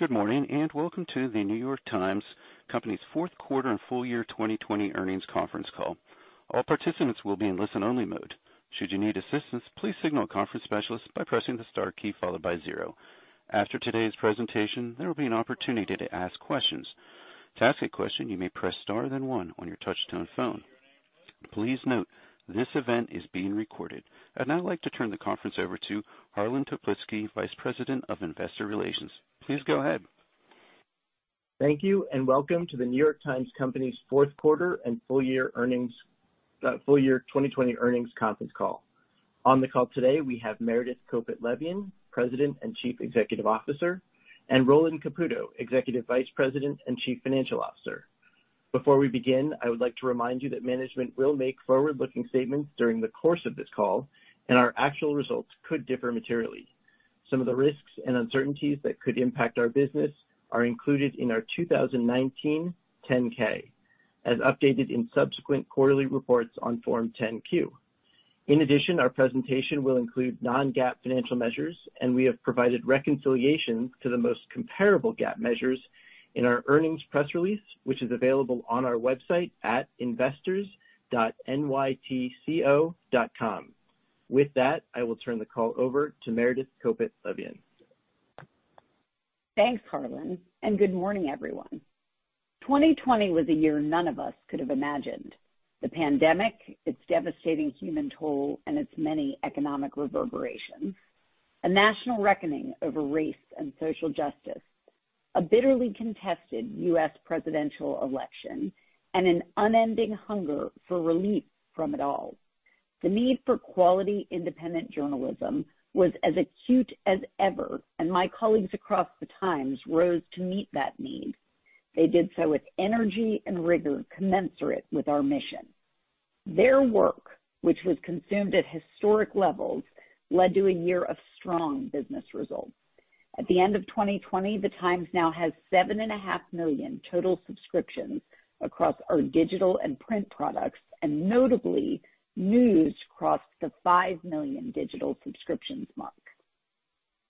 Good morning, and welcome to The New York Times Company’s fourth quarter and full-year 2020 earnings conference call. All participants will be in listen-only mode. Should you need assistance, please signal a conference specialist by pressing the star key followed by zero. After today’s presentation, there will be an opportunity to ask questions. To ask a question, you may press star then one on your touch-tone phone. Please note this event is being recorded. I’d now like to turn the conference over to Harlan Toplitzky, Vice President of Investor Relations. Please go ahead. Thank you, and welcome to the New York Times Company's fourth quarter and full-year 2020 earnings conference call. On the call today, we have Meredith Kopit Levien, President and Chief Executive Officer, and Roland Caputo, Executive Vice President and Chief Financial Officer. Before we begin, I would like to remind you that management will make forward-looking statements during the course of this call, and our actual results could differ materially. Some of the risks and uncertainties that could impact our business are included in our 2019 10-K, as updated in subsequent quarterly reports on Form 10-Q. In addition, our presentation will include non-GAAP financial measures, and we have provided reconciliations to the most comparable GAAP measures in our earnings press release, which is available on our website at investors.nytco.com. With that, I will turn the call over to Meredith Kopit Levien. Thanks, Harlan, and good morning, everyone. 2020 was a year none of us could have imagined: the pandemic, its devastating human toll, and its many economic reverberations, a national reckoning over race and social justice, a bitterly contested U.S. presidential election, and an unending hunger for relief from it all. The need for quality independent journalism was as acute as ever, and my colleagues across The Times rose to meet that need. They did so with energy and rigor commensurate with our mission. Their work, which was consumed at historic levels, led to a year of strong business results. At the end of 2020, The Times now has 7.5 million total subscriptions across our digital and print products, and notably, news crossed the 5 million digital subscriptions mark.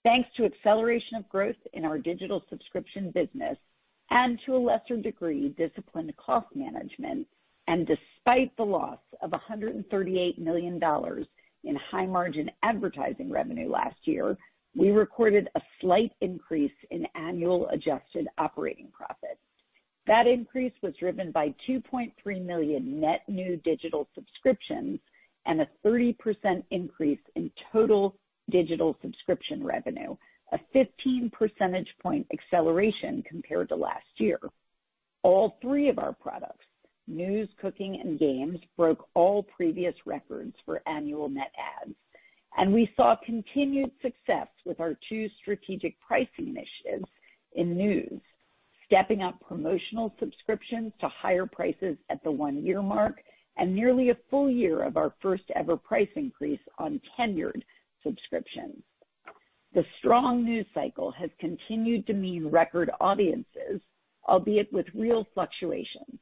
Thanks to the acceleration of growth in our digital subscription business and to a lesser degree disciplined cost management, and despite the loss of $138 million in high-margin advertising revenue last year, we recorded a slight increase in annual adjusted operating profit. That increase was driven by 2.3 million net new digital subscriptions and a 30% increase in total digital subscription revenue, a 15 percentage point acceleration compared to last year. All three of our products, news, Cooking and Games, broke all previous records for annual net adds, and we saw continued success with our two strategic pricing initiatives in news, stepping up promotional subscriptions to higher prices at the one-year mark and nearly a full-year of our first-ever price increase on tenured subscriptions. The strong news cycle has continued to mean record audiences, albeit with real fluctuations.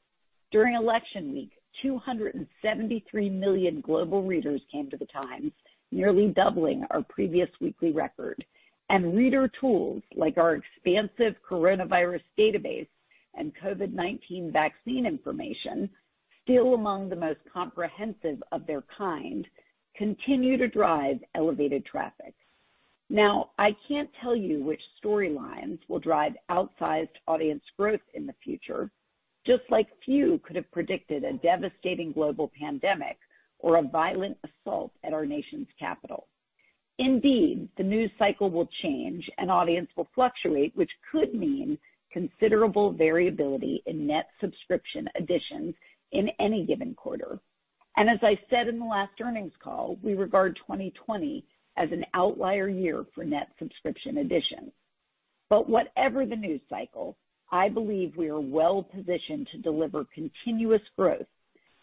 During election week, 273 million global readers came to The Times, nearly doubling our previous weekly record, and reader tools like our expansive coronavirus database and COVID-19 vaccine information, still among the most comprehensive of their kind, continue to drive elevated traffic. Now, I can't tell you which storylines will drive outsized audience growth in the future, just like few could have predicted a devastating global pandemic or a violent assault at our nation's capital. Indeed, the news cycle will change and audience will fluctuate, which could mean considerable variability in net subscription additions in any given quarter. And as I said in the last earnings call, we regard 2020 as an outlier year for net subscription additions. But whatever the news cycle, I believe we are well-positioned to deliver continuous growth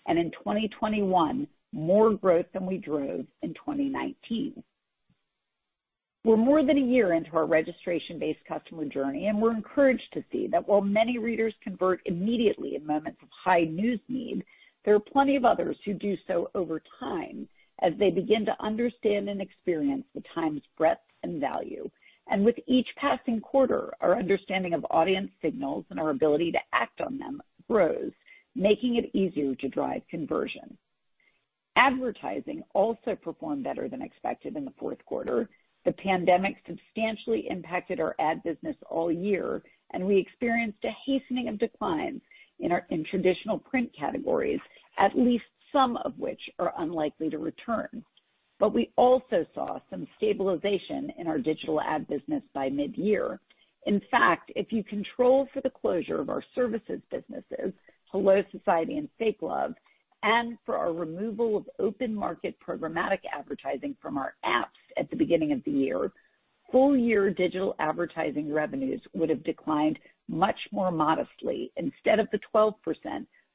and, in 2021, more growth than we drove in 2019. We're more than a year into our registration-based customer journey, and we're encouraged to see that while many readers convert immediately in moments of high news need, there are plenty of others who do so over time as they begin to understand and experience The Times' breadth and value. And with each passing quarter, our understanding of audience signals and our ability to act on them grows, making it easier to drive conversion. Advertising also performed better than expected in the fourth quarter. The pandemic substantially impacted our ad business all year, and we experienced a hastening of declines in our traditional print categories, at least some of which are unlikely to return. But we also saw some stabilization in our digital ad business by mid-year. In fact, if you control for the closure of our services businesses, HelloSociety and Fake Love, and for our removal of open market programmatic advertising from our apps at the beginning of the year, full-year digital advertising revenues would have declined much more modestly instead of the 12%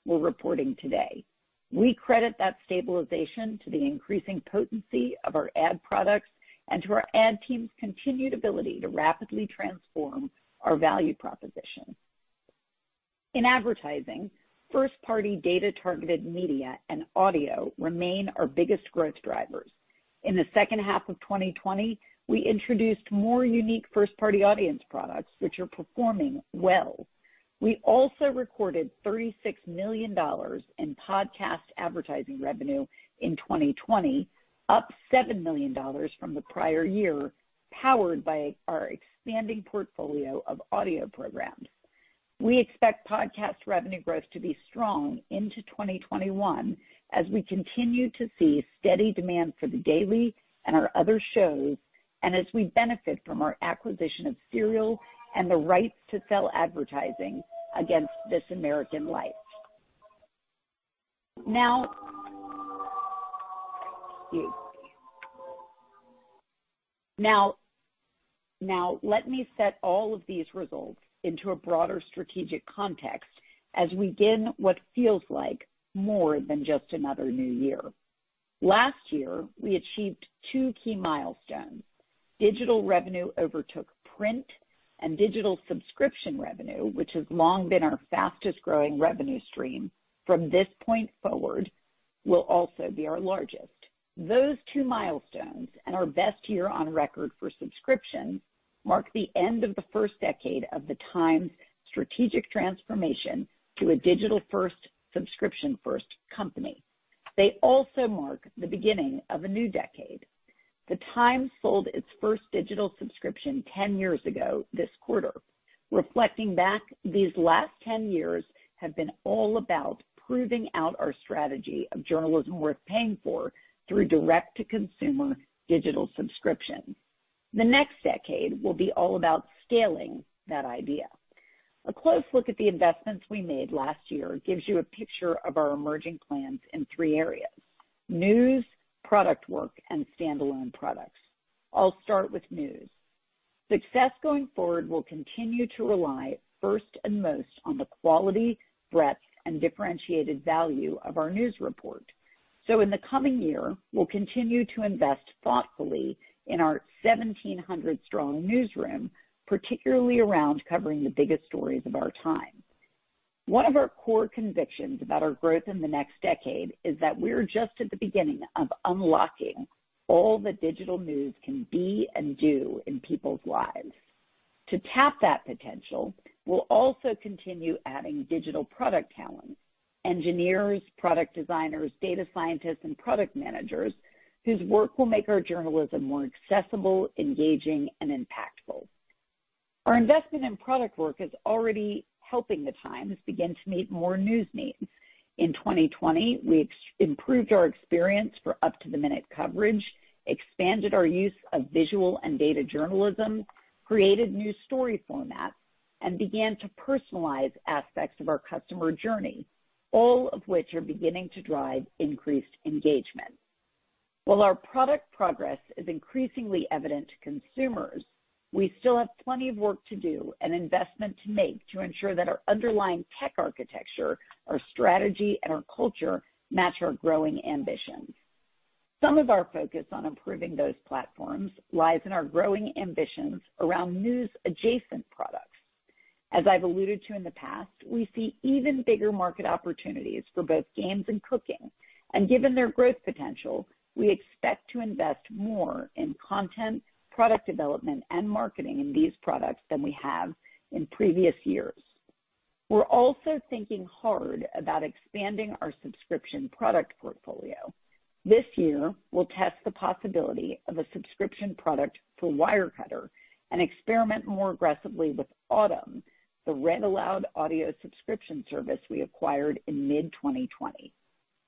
we're reporting today. We credit that stabilization to the increasing potency of our ad products and to our ad team's continued ability to rapidly transform our value proposition. In advertising, first-party data-targeted media and audio remain our biggest growth drivers. In the second half of 2020, we introduced more unique first-party audience products, which are performing well. We also recorded $36 million in podcast advertising revenue in 2020, up $7 million from the prior year, powered by our expanding portfolio of audio programs. We expect podcast revenue growth to be strong into 2021 as we continue to see steady demand for The Daily and our other shows, and as we benefit from our acquisition of Serial and the rights to sell advertising against This American Life. Now, let me set all of these results into a broader strategic context as we begin what feels like more than just another new year. Last year, we achieved two key milestones. Digital revenue overtook print and digital subscription revenue, which has long been our fastest-growing revenue stream. From this point forward, it will also be our largest. Those two milestones and our best year on record for subscriptions mark the end of the first decade of The Times' strategic transformation to a digital-first, subscription-first company. They also mark the beginning of a new decade. The Times sold its first digital subscription 10 years ago this quarter. Reflecting back, these last 10 years have been all about proving out our strategy of journalism worth paying for through direct-to-consumer digital subscriptions. The next decade will be all about scaling that idea. A close look at the investments we made last year gives you a picture of our emerging plans in three areas: news, product work, and standalone products. I'll start with news. Success going forward will continue to rely first and most on the quality, breadth, and differentiated value of our news report. So in the coming year, we'll continue to invest thoughtfully in our 1,700-strong newsroom, particularly around covering the biggest stories of our time. One of our core convictions about our growth in the next decade is that we're just at the beginning of unlocking all the digital news can be and do in people's lives. To tap that potential, we'll also continue adding digital product talent: engineers, product designers, data scientists, and product managers whose work will make our journalism more accessible, engaging, and impactful. Our investment in product work is already helping The Times begin to meet more news needs. In 2020, we improved our experience for up-to-the-minute coverage, expanded our use of visual and data journalism, created new story formats, and began to personalize aspects of our customer journey, all of which are beginning to drive increased engagement. While our product progress is increasingly evident to consumers, we still have plenty of work to do and investment to make to ensure that our underlying tech architecture, our strategy, and our culture match our growing ambitions. Some of our focus on improving those platforms lies in our growing ambitions around news-adjacent products. As I've alluded to in the past, we see even bigger market opportunities for both Games and Cooking, and given their growth potential, we expect to invest more in content, product development, and marketing in these products than we have in previous years. We're also thinking hard about expanding our subscription product portfolio. This year, we'll test the possibility of a subscription product for Wirecutter and experiment more aggressively with Audm, the read-aloud audio subscription service we acquired in mid-2020.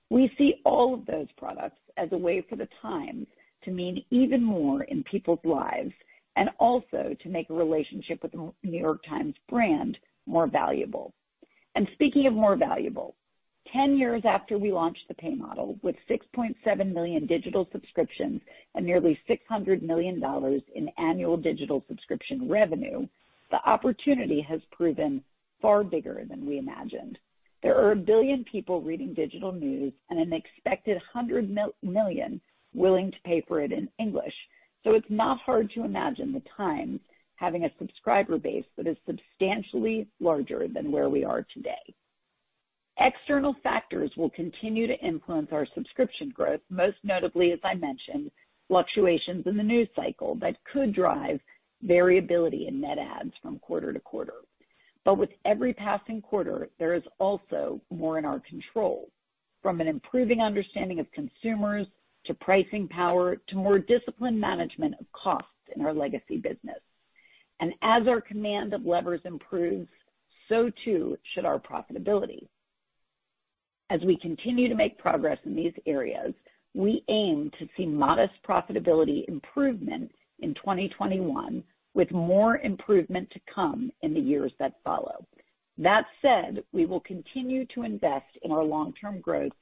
We see all of those products as a way for The Times to mean even more in people's lives and also to make a relationship with the New York Times brand more valuable. And speaking of more valuable, 10 years after we launched the pay model with 6.7 million digital subscriptions and nearly $600 million in annual digital subscription revenue, the opportunity has proven far bigger than we imagined. There are a billion people reading digital news and an expected 100 million willing to pay for it in English, so it's not hard to imagine The Times having a subscriber base that is substantially larger than where we are today. External factors will continue to influence our subscription growth, most notably, as I mentioned, fluctuations in the news cycle that could drive variability in net adds from quarter to quarter. But with every passing quarter, there is also more in our control, from an improving understanding of consumers to pricing power to more disciplined management of costs in our legacy business. And as our command of levers improves, so too should our profitability. As we continue to make progress in these areas, we aim to see modest profitability improvement in 2021, with more improvement to come in the years that follow. That said, we will continue to invest in our long-term growth,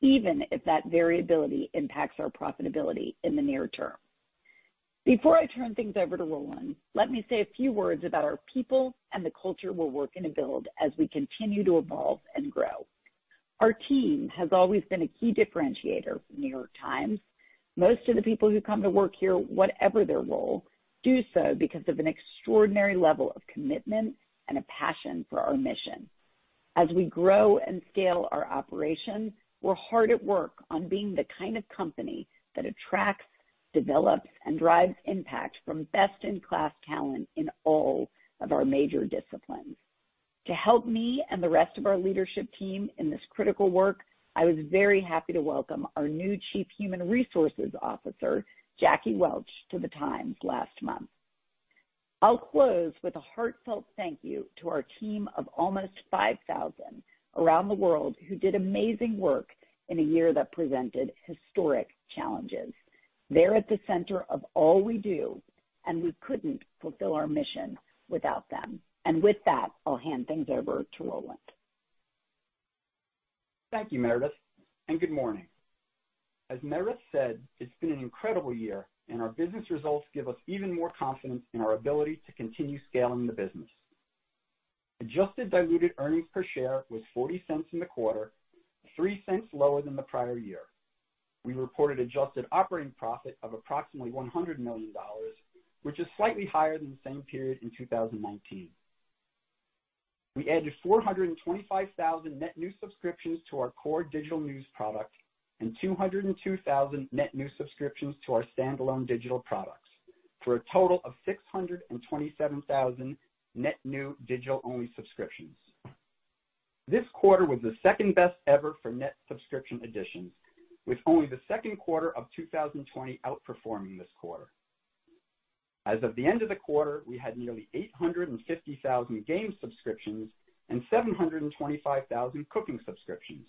even if that variability impacts our profitability in the near term. Before I turn things over to Roland, let me say a few words about our people and the culture we're working to build as we continue to evolve and grow. Our team has always been a key differentiator for New York Times. Most of the people who come to work here, whatever their role, do so because of an extraordinary level of commitment and a passion for our mission. As we grow and scale our operation, we're hard at work on being the kind of company that attracts, develops, and drives impact from best-in-class talent in all of our major disciplines. To help me and the rest of our leadership team in this critical work, I was very happy to welcome our new Chief Human Resources Officer, Jackie Welch, to The Times last month. I'll close with a heartfelt thank you to our team of almost 5,000 around the world, who did amazing work in a year that presented historic challenges. They're at the center of all we do, and we couldn't fulfill our mission without them. And with that, I'll hand things over to Roland. Thank you, Meredith, and good morning. As Meredith said, it's been an incredible year, and our business results give us even more confidence in our ability to continue scaling the business. Adjusted diluted earnings per share was $0.40 in the quarter, $0.03 lower than the prior year. We reported adjusted operating profit of approximately $100 million, which is slightly higher than the same period in 2019. We added 425,000 net new subscriptions to our core digital news product and 202,000 net new subscriptions to our standalone digital products, for a total of 627,000 net new digital-only subscriptions. This quarter was the second-best ever for net subscription additions, with only the second quarter of 2020 outperforming this quarter. As of the end of the quarter, we had nearly 850,000 game subscriptions and 725,000 Cooking subscriptions.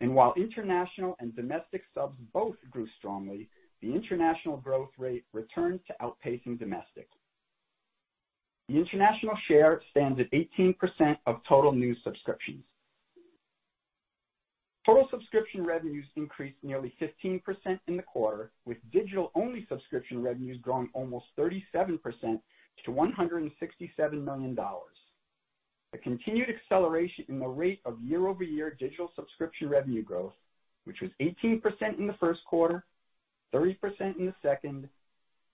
And while international and domestic subs both grew strongly, the international growth rate returned to outpacing domestic. The international share stands at 18% of total new subscriptions. Total subscription revenues increased nearly 15% in the quarter, with digital-only subscription revenues growing almost 37% to $167 million. A continued acceleration in the rate of year-over-year digital subscription revenue growth, which was 18% in the first quarter, 30% in the second,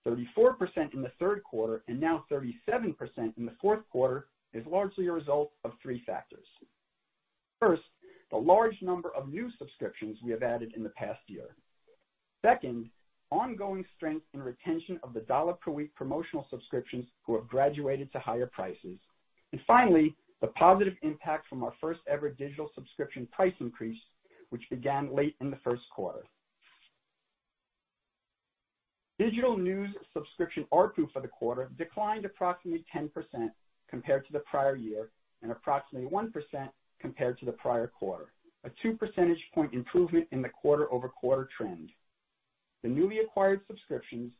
34% in the third quarter, and now 37% in the fourth quarter, is largely a result of three factors. First, the large number of new subscriptions we have added in the past year. Second, ongoing strength and retention of the dollar-per-week promotional subscriptions who have graduated to higher prices. And finally, the positive impact from our first-ever digital subscription price increase, which began late in the first quarter. Digital news subscription ARPU for the quarter declined approximately 10% compared to the prior year and approximately 1% compared to the prior quarter, a 2 percentage point improvement in the quarter-over-quarter trend. The newly acquired subscriptions,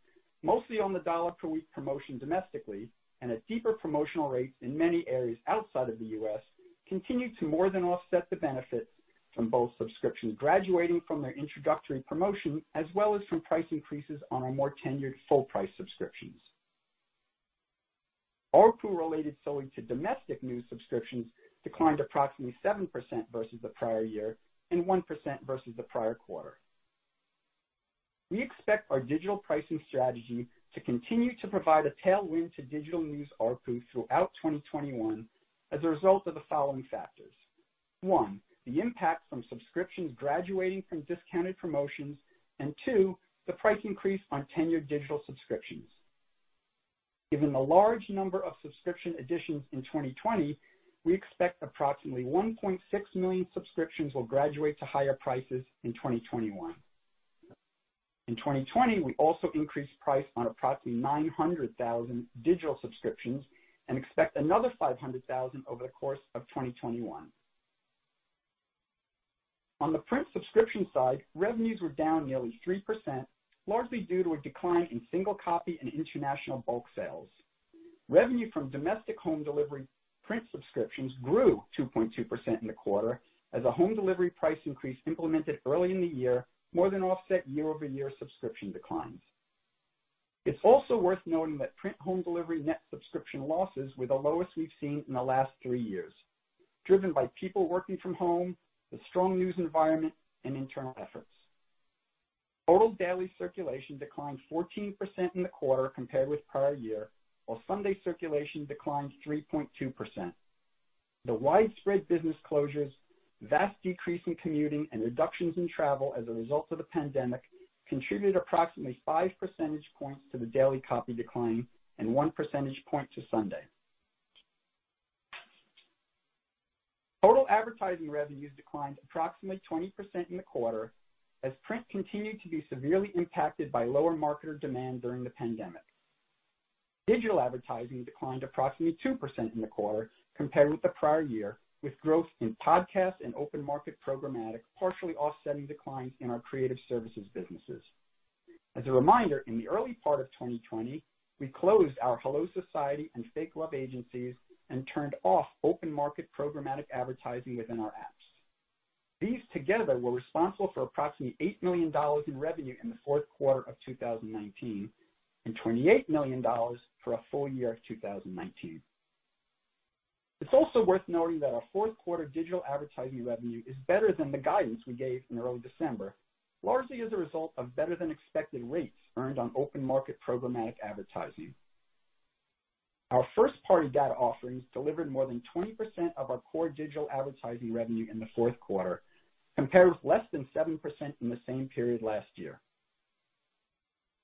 mostly on the dollar-per-week promotion domestically and at deeper promotional rates in many areas outside of the U.S., continue to more than offset the benefits from both subscriptions graduating from their introductory promotion as well as from price increases on our more tenured full-price subscriptions. ARPU related solely to domestic news subscriptions declined approximately 7% versus the prior year and 1% versus the prior quarter. We expect our digital pricing strategy to continue to provide a tailwind to digital news ARPU throughout 2021 as a result of the following factors: one, the impact from subscriptions graduating from discounted promotions, and two, the price increase on tenured digital subscriptions. Given the large number of subscription additions in 2020, we expect approximately 1.6 million subscriptions will graduate to higher prices in 2021. In 2020, we also increased the price on approximately 900,000 digital subscriptions and expect another 500,000 over the course of 2021. On the print subscription side, revenues were down nearly 3%, largely due to a decline in single-copy and international bulk sales. Revenue from domestic home delivery print subscriptions grew 2.2% in the quarter as a home delivery price increase implemented early in the year more than offset year-over-year subscription declines. It's also worth noting that print home delivery net subscription losses were the lowest we've seen in the last three years, driven by people working from home, the strong news environment, and internal efforts. Total daily circulation declined 14% in the quarter compared with prior year, while Sunday circulation declined 3.2%. The widespread business closures, vast decrease in commuting, and reductions in travel as a result of the pandemic contributed approximately five percentage points to the daily copy decline and one percentage point to Sunday. Total advertising revenues declined approximately 20% in the quarter as print continued to be severely impacted by lower marketer demand during the pandemic. Digital advertising declined approximately 2% in the quarter compared with the prior year, with growth in podcasts and open market programmatic partially offsetting declines in our creative services businesses. As a reminder, in the early part of 2020, we closed our HelloSociety and Fake Love agencies and turned off open market programmatic advertising within our apps. These together were responsible for approximately $8 million in revenue in the fourth quarter of 2019 and $28 million for a full-year of 2019. It's also worth noting that our fourth quarter digital advertising revenue is better than the guidance we gave in early December, largely as a result of better-than-expected rates earned on open market programmatic advertising. Our first-party data offerings delivered more than 20% of our core digital advertising revenue in the fourth quarter, compared with less than 7% in the same period last year.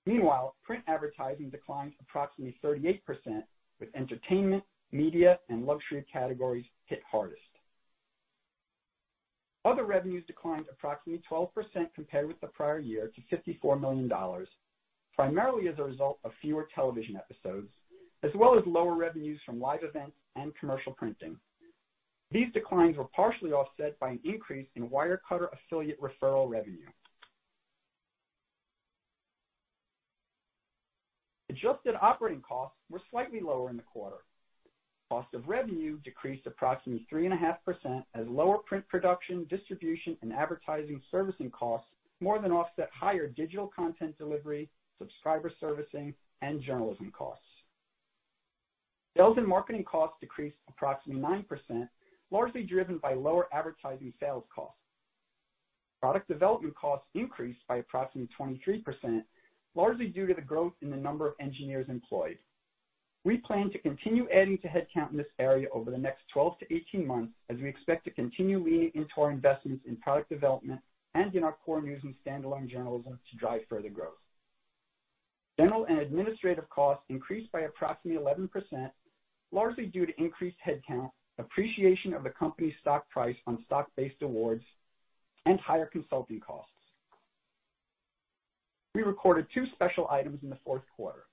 Meanwhile, print advertising declined approximately 38%, with entertainment, media, and luxury categories hit hardest. Other revenues declined approximately 12% compared with the prior year to $54 million, primarily as a result of fewer television episodes, as well as lower revenues from live events and commercial printing. These declines were partially offset by an increase in Wirecutter affiliate referral revenue. Adjusted operating costs were slightly lower in the quarter. Cost of revenue decreased approximately 3.5% as lower print production, distribution, and advertising servicing costs more than offset higher digital content delivery, subscriber servicing, and journalism costs. Sales and marketing costs decreased approximately 9%, largely driven by lower advertising sales costs. Product development costs increased by approximately 23%, largely due to the growth in the number of engineers employed. We plan to continue adding to headcount in this area over the next 12 to 18 months as we expect to continue leaning into our investments in product development and in our core news and standalone journalism to drive further growth. General and administrative costs increased by approximately 11%, largely due to increased headcount, appreciation of the company's stock price on stock-based awards, and higher consulting costs. We recorded two special items in the fourth quarter: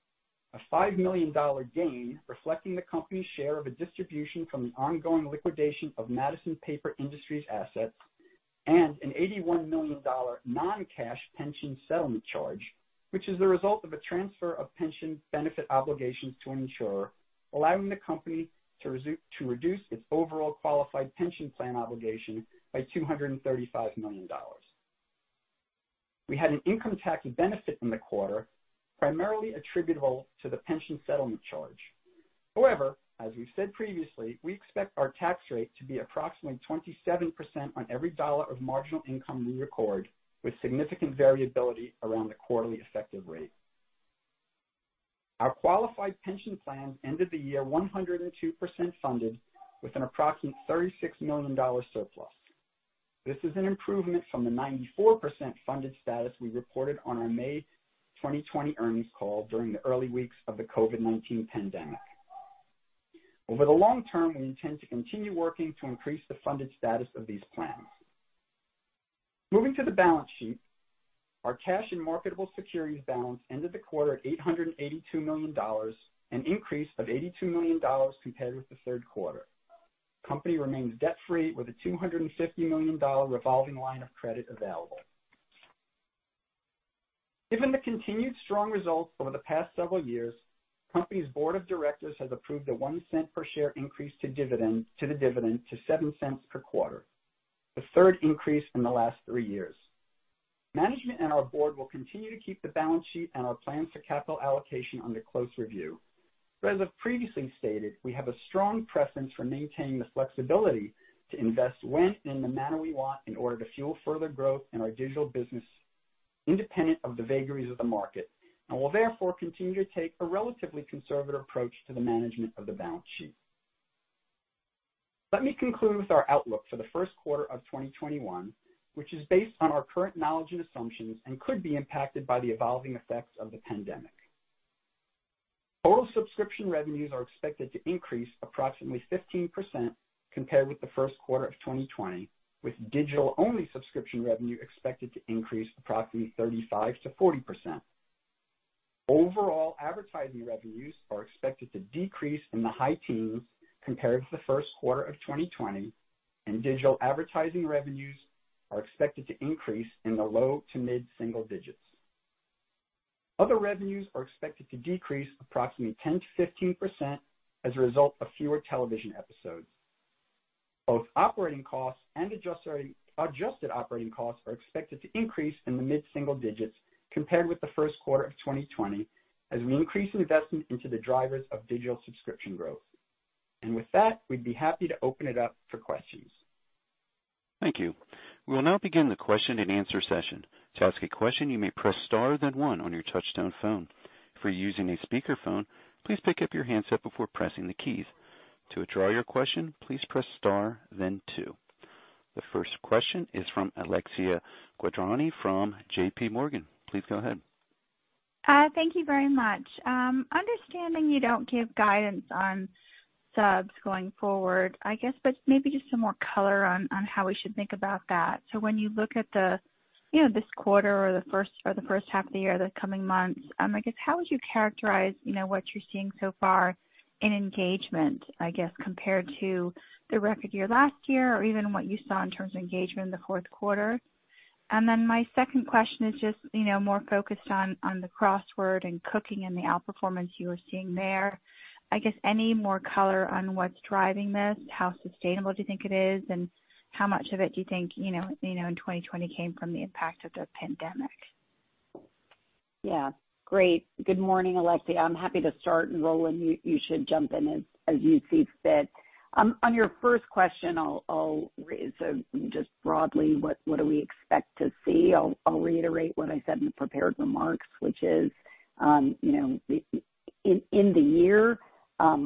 a $5 million gain reflecting the company's share of a distribution from the ongoing liquidation of Madison Paper Industries assets and an $81 million non-cash pension settlement charge, which is the result of a transfer of pension benefit obligations to an insurer, allowing the company to reduce its overall qualified pension plan obligation by $235 million. We had an income tax benefit in the quarter, primarily attributable to the pension settlement charge. However, as we've said previously, we expect our tax rate to be approximately 27% on every dollar of marginal income we record, with significant variability around the quarterly effective rate. Our qualified pension plans ended the year 102% funded, with an approximate $36 million surplus. This is an improvement from the 94% funded status we reported on our May 2020 earnings call during the early weeks of the COVID-19 pandemic. Over the long term, we intend to continue working to increase the funded status of these plans. Moving to the balance sheet, our cash and marketable securities balance ended the quarter at $882 million and an increase of $82 million compared with the third quarter. The company remains debt-free with a $250 million revolving line of credit available. Given the continued strong results over the past several years, the company's board of directors has approved a one cent per share increase to the dividend to seven cents per quarter, the third increase in the last three years. Management and our board will continue to keep the balance sheet and our plans for capital allocation under close review. But as I've previously stated, we have a strong preference for maintaining the flexibility to invest when and in the manner we want in order to fuel further growth in our digital business, independent of the vagaries of the market, and will therefore continue to take a relatively conservative approach to the management of the balance sheet. Let me conclude with our outlook for the first quarter of 2021, which is based on our current knowledge and assumptions and could be impacted by the evolving effects of the pandemic. Total subscription revenues are expected to increase approximately 15% compared with the first quarter of 2020, with digital-only subscription revenue expected to increase approximately 35% to 40%. Overall advertising revenues are expected to decrease in the high teens compared with the first quarter of 2020, and digital advertising revenues are expected to increase in the low to mid-single digits. Other revenues are expected to decrease approximately 10%-15% as a result of fewer television episodes. Both operating costs and adjusted operating costs are expected to increase in the mid-single digits compared with the first quarter of 2020 as we increase investment into the drivers of digital subscription growth. With that, we'd be happy to open it up for questions. Thank you. We will now begin the question-and-answer session. To ask a question, you may press star then one on your touch-tone phone. If you're using a speakerphone, please pick up your handset before pressing the keys. To withdraw your question, please press star then two. The first question is from Alexia Quadrani from JPMorgan. Please go ahead. Thank you very much. Understanding you don't give guidance on subs going forward, I guess, but maybe just some more color on how we should think about that. So when you look at this quarter or the first half of the year, the coming months, I guess, how would you characterize what you're seeing so far in engagement, I guess, compared to the record year last year or even what you saw in terms of engagement in the fourth quarter? And then my second question is just more focused on the Crossword and Cooking, and the outperformance you were seeing there. I guess any more color on what's driving this, how sustainable do you think it is, and how much of it do you think in 2020 came from the impact of the pandemic? Yeah. Great. Good morning, Alexia. I'm happy to start, and Roland, you should jump in as you see fit. On your first question, I'll raise just broadly what do we expect to see. I'll reiterate what I said in the prepared remarks, which is in the year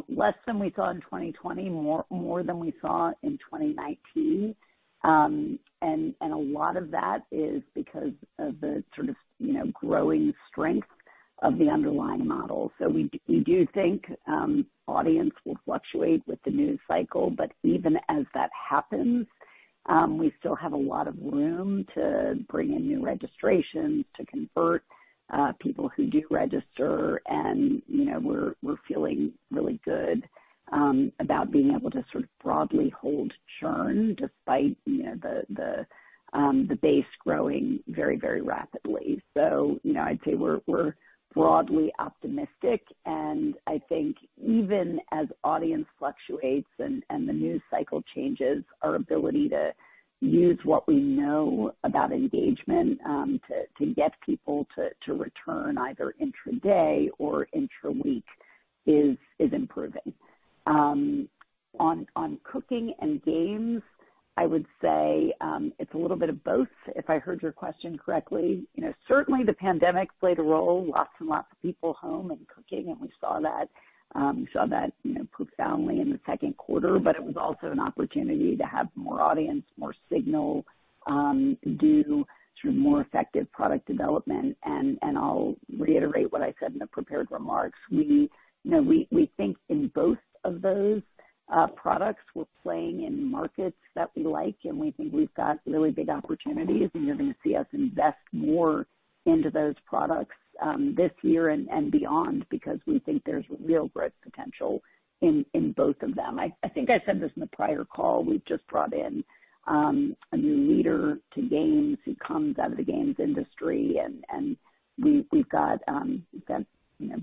less than we saw in 2020, more than we saw in 2019. And a lot of that is because of the sort of growing strength of the underlying model. So we do think the audience will fluctuate with the news cycle, but even as that happens, we still have a lot of room to bring in new registrations to convert people who do register. And we're feeling really good about being able to sort of broadly hold churn despite the base growing very, very rapidly. So I'd say we're broadly optimistic. And I think even as audience fluctuates and the news cycle changes, our ability to use what we know about engagement to get people to return either intraday or intra-week is improving. On Cooking and Games, I would say it's a little bit of both, if I heard your question correctly. Certainly, the pandemic played a role. Lots and lots of people home and cooking, and we saw that profoundly in the second quarter. But it was also an opportunity to have more audience, more signal, do sort of more effective product development. And I'll reiterate what I said in the prepared remarks. We think in both of those products, we're playing in markets that we like, and we think we've got really big opportunities, and you're going to see us invest more into those products this year and beyond because we think there's real growth potential in both of them. I think I said this in the prior call. We've just brought in a new leader to Games who comes out of the games industry, and we've got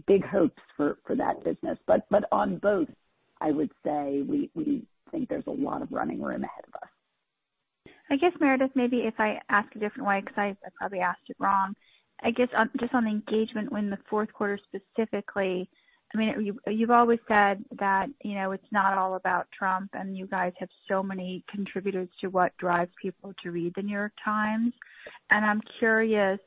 big hopes for that business. But on both, I would say we think there's a lot of running room ahead of us. I guess, Meredith, maybe if I ask a different way because I probably asked it wrong. I guess just on engagement in the fourth quarter specifically, I mean, you've always said that it's not all about Trump, and you guys have so many contributors to what drives people to read The New York Times. And I'm curious,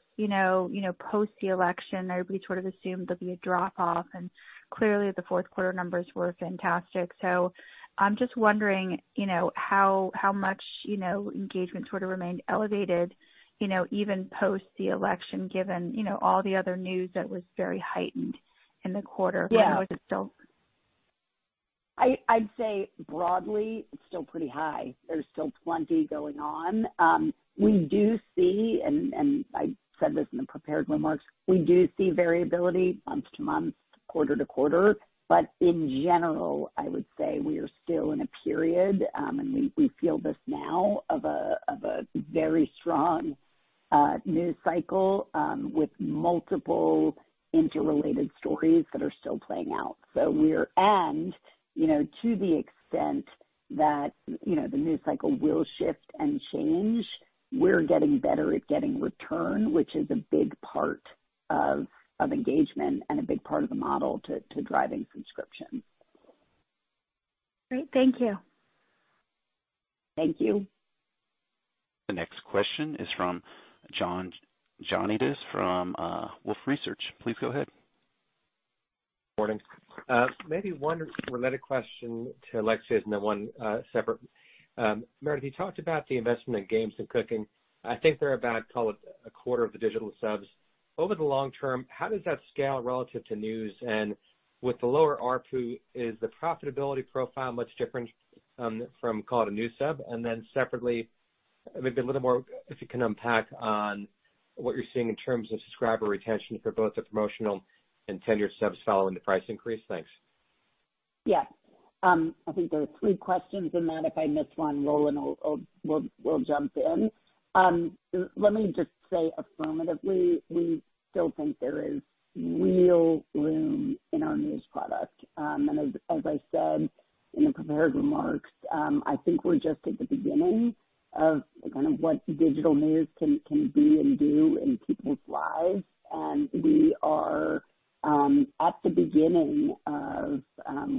post the election, everybody sort of assumed there'd be a drop-off, and clearly, the fourth quarter numbers were fantastic. So I'm just wondering how much engagement sort of remained elevated even post the election, given all the other news that was very heightened in the quarter. I don't know if it's still. I'd say broadly, it's still pretty high. There's still plenty going on. We do see, and I said this in the prepared remarks, we do see variability month to month, quarter to quarter. But in general, I would say we are still in a period, and we feel this now, of a very strong news cycle with multiple interrelated stories that are still playing out. So, to the extent that the news cycle will shift and change, we're getting better at getting retention, which is a big part of engagement and a big part of the model to driving subscription. Great. Thank you. Thank you. The next question is from John Janedis from Wolfe Research. Please go ahead. Morning. Maybe one related question to Alexia's and then one separate. Meredith, you talked about the investment in Games and Cooking. I think they're about, call it, a quarter of the digital subs. Over the long term, how does that scale relative to news? And with the lower ARPU, is the profitability profile much different from, call it, a new sub? And then separately, maybe a little more if you can unpack on what you're seeing in terms of subscriber retention for both the promotional and tenured subs following the price increase. Thanks. Yes. I think there are three questions in that. If I miss one, Roland, we'll jump in. Let me just say affirmatively, we still think there is real room in our news product. And as I said in the prepared remarks, I think we're just at the beginning of kind of what digital news can be and do in people's lives. And we are at the beginning of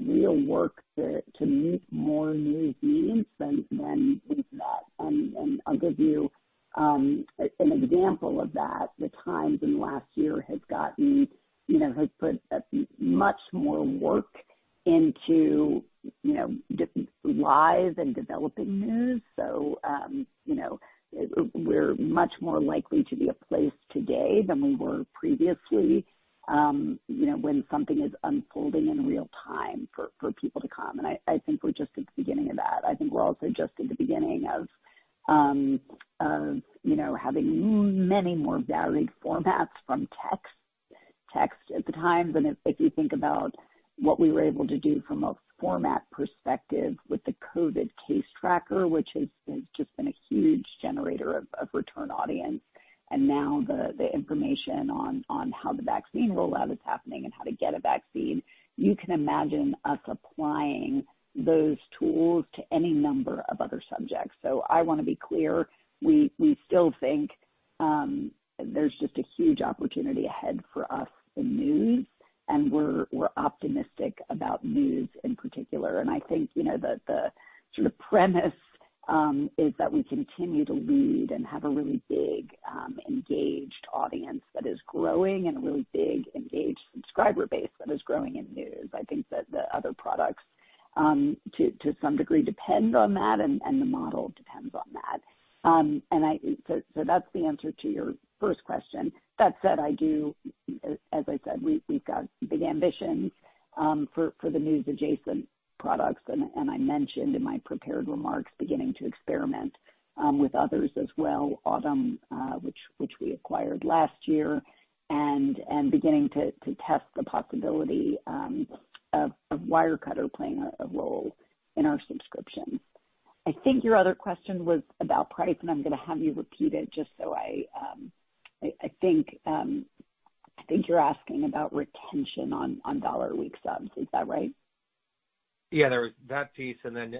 real work to meet more news needs than we've met. And I'll give you an example of that. The Times in the last year has put much more work into live and developing news. So we're much more likely to be a place today than we were previously when something is unfolding in real time for people to come. And I think we're just at the beginning of that. I think we're also just at the beginning of having many more varied formats from text at The Times. And if you think about what we were able to do from a format perspective with the COVID case tracker, which has just been a huge generator of return audience, and now the information on how the vaccine rollout is happening and how to get a vaccine, you can imagine us applying those tools to any number of other subjects. So I want to be clear. We still think there's just a huge opportunity ahead for us in news, and we're optimistic about news in particular. And I think the sort of premise is that we continue to lead and have a really big, engaged audience that is growing and a really big, engaged subscriber base that is growing in news. I think that the other products, to some degree, depend on that, and the model depends on that. And so that's the answer to your first question. That said, I do, as I said, we've got big ambitions for the news-adjacent products. And I mentioned in my prepared remarks beginning to experiment with others as well, Audm, which we acquired last year, and beginning to test the possibility of Wirecutter playing a role in our subscription. I think your other question was about price, and I'm going to have you repeat it just so I think you're asking about retention on $1-a-week subs. Is that right? Yeah. There was that piece, and then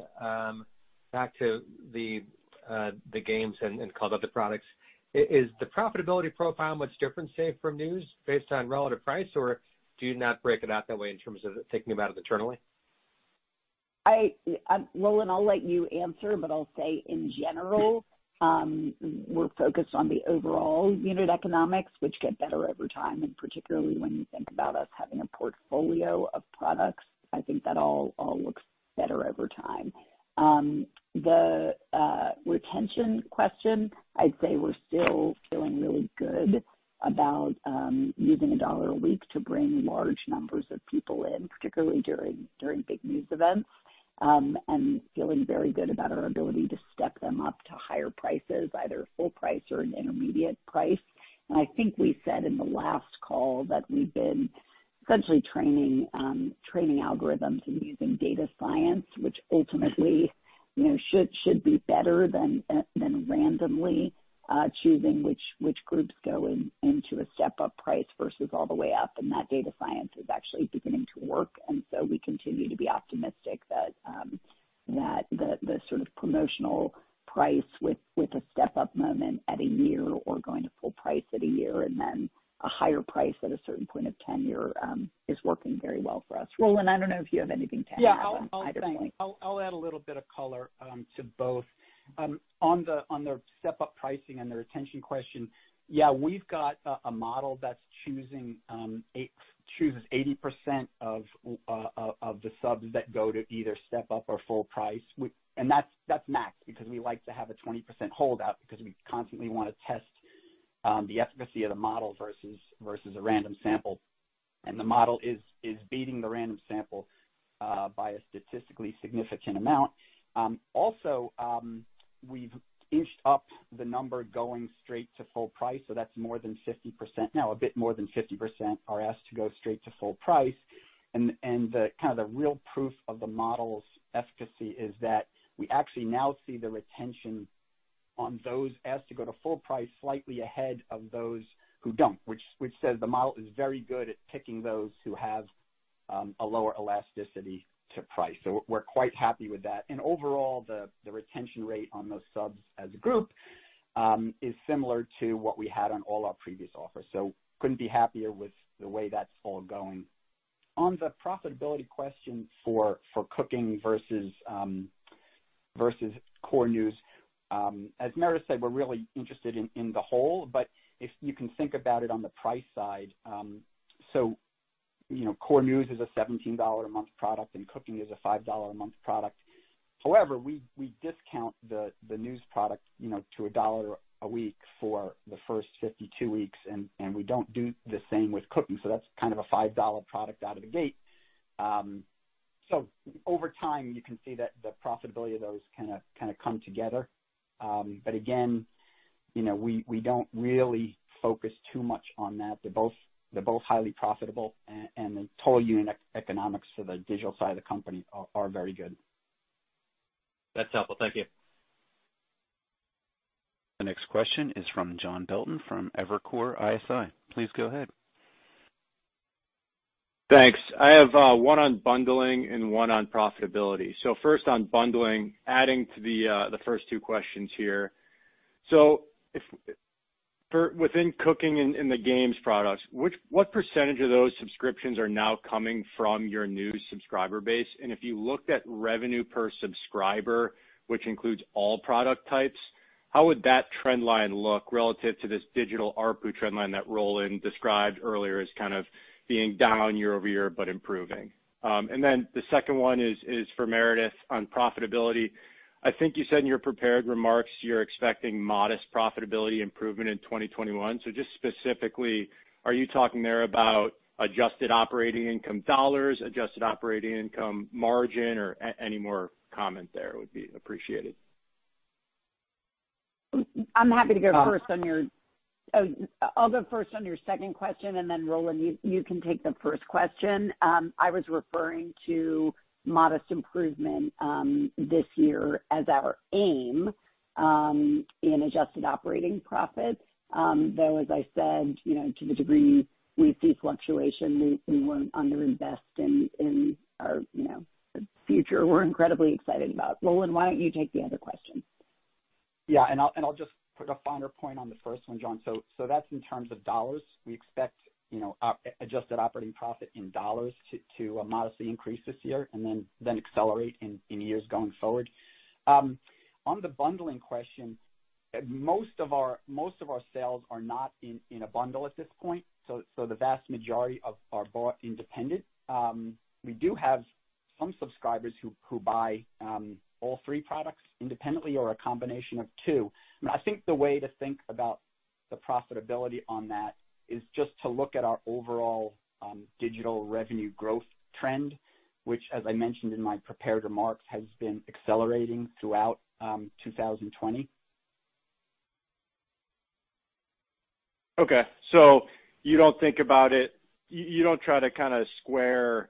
back to the games and so-called other products. Is the profitability profile much different, say, from news based on relative price, or do you not break it out that way in terms of thinking about it internally? Roland, I'll let you answer, but I'll say in general, we're focused on the overall unit economics, which get better over time, and particularly when you think about us having a portfolio of products, I think that all looks better over time. The retention question, I'd say we're still feeling really good about using a $1-a-week to bring large numbers of people in, particularly during big news events, and feeling very good about our ability to step them up to higher prices, either full price or an intermediate price. And I think we said in the last call that we've been essentially training algorithms and using data science, which ultimately should be better than randomly choosing which groups go into a step-up price versus all the way up. And that data science is actually beginning to work. And so we continue to be optimistic that the sort of promotional price with a step-up moment at a year or going to full price at a year and then a higher price at a certain point of tenure is working very well for us. Roland, I don't know if you have anything to add on either point. Yeah. I'll add a little bit of color to both. On the step-up pricing and the retention question, yeah, we've got a model that chooses 80% of the subs that go to either step-up or full price. And that's max because we like to have a 20% holdout because we constantly want to test the efficacy of the model versus a random sample. And the model is beating the random sample by a statistically significant amount. Also, we've inched up the number going straight to full price. So that's more than 50%. Now, a bit more than 50% are asked to go straight to full price. Kind of the real proof of the model's efficacy is that we actually now see the retention on those asked to go to full price slightly ahead of those who don't, which says the model is very good at picking those who have a lower elasticity to price. We're quite happy with that. Overall, the retention rate on those subs as a group is similar to what we had on all our previous offers. Couldn't be happier with the way that's all going. On the profitability question for Cooking versus core news, as Meredith said, we're really interested in the whole. But if you can think about it on the price side, so core news is a $17-a-month product, and Cooking is a $5-a-month product. However, we discount the news product to $1 a week for the first 52 weeks, and we don't do the same with Cooking. So that's kind of a $5 product out of the gate. So over time, you can see that the profitability of those kind of come together. But again, we don't really focus too much on that. They're both highly profitable, and the total unit economics for the digital side of the company are very good. That's helpful. Thank you. The next question is from John Belton from Evercore ISI. Please go ahead. Thanks. I have one on bundling and one on profitability. So first on bundling, adding to the first two questions here. So within Cooking and the Games products, what percentage of those subscriptions are now coming from your new subscriber base? If you looked at revenue per subscriber, which includes all product types, how would that trend line look relative to this digital ARPU trend line that Roland described earlier as kind of being down year over year but improving? Then the second one is for Meredith on profitability. I think you said in your prepared remarks you're expecting modest profitability improvement in 2021. So just specifically, are you talking there about adjusted operating income dollars, adjusted operating income margin, or any more comment there would be appreciated? I'm happy to go first on your. I'll go first on your second question. Then, Roland, you can take the first question. I was referring to modest improvement this year as our aim in adjusted operating profits. Though, as I said, to the degree we see fluctuation, we won't underinvest in our future. We're incredibly excited about. Roland, why don't you take the other question? Yeah. And I'll just put a finer point on the first one, John. So that's in terms of dollars. We expect Adjusted operating profit in dollars to modestly increase this year and then accelerate in years going forward. On the bundling question, most of our sales are not in a bundle at this point. So the vast majority are bought independently. We do have some subscribers who buy all three products independently or a combination of two. I think the way to think about the profitability on that is just to look at our overall digital revenue growth trend, which, as I mentioned in my prepared remarks, has been accelerating throughout 2020. Okay. So you don't think about it - you don't try to kind of square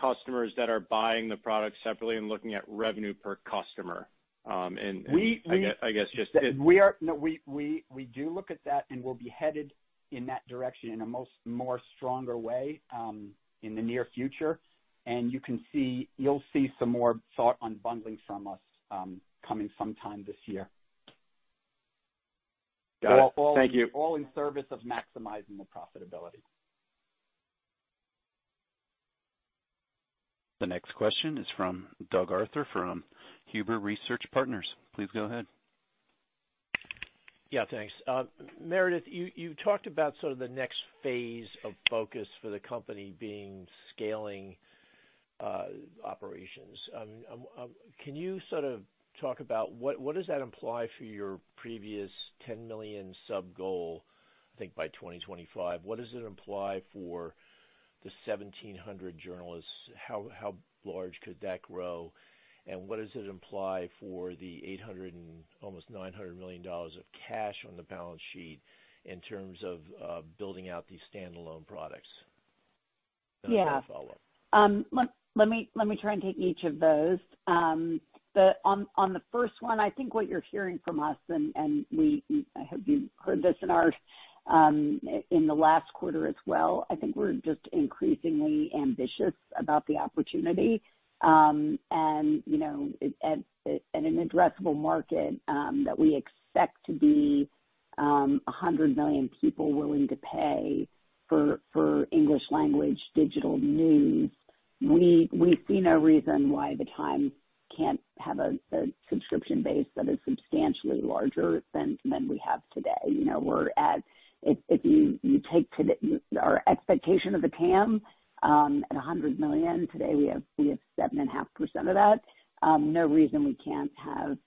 customers that are buying the product separately and looking at revenue per customer? I guess just. We do look at that, and we'll be headed in that direction in a more stronger way in the near future. And you'll see some more thought on bundling from us coming sometime this year. All in service of maximizing the profitability. The next question is from Doug Arthur from Huber Research Partners. Please go ahead. Yeah. Thanks. Meredith, you talked about sort of the next phase of focus for the company being scaling operations. Can you sort of talk about what does that imply for your previous 10 million sub goal, I think, by 2025? What does it imply for the 1,700 journalists? How large could that grow? And what does it imply for the $800 million and almost $900 million of cash on the balance sheet in terms of building out these standalone products? That's my follow-up. Yeah. Let me try and take each of those. But on the first one, I think what you're hearing from us, and I hope you've heard this in the last quarter as well, I think we're just increasingly ambitious about the opportunity, and in an addressable market that we expect to be 100 million people willing to pay for English-language digital news, we see no reason why The Times can't have a subscription base that is substantially larger than we have today. If you take our expectation of The Times at 100 million, today we have 7.5% of that. No reason we can't have